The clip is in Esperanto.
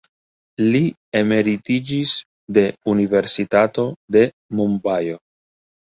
Li emeritiĝis de Universitato de Mumbajo.